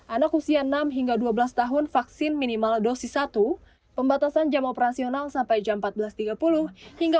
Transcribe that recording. anak usia enam hingga dua belas tahun vaksin minimal dosis satu pembatasan jam operasional sampai jam empat belas tiga puluh hingga